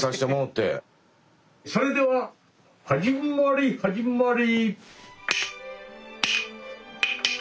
それでは始まり始まり。